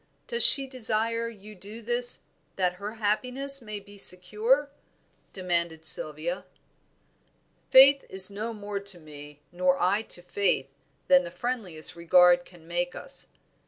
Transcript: does she desire you to do this that her happiness may be secure?" demanded Sylvia. "Faith is no more to me, nor I to Faith, than the friendliest regard can make us.